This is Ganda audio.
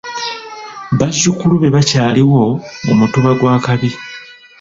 Bazzukulu be bakyaliwo mu Mutuba gwa Kabi.